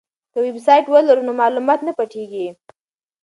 که ویبسایټ ولرو نو معلومات نه پټیږي.